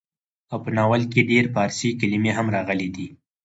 په ناول کې ډېر فارسي کلمې هم راغلې ډي.